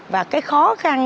và cái khó khăn